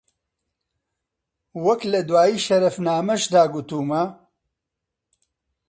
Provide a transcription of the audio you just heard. وەک لە دواییی شەرەفنامەشدا گوتوومە: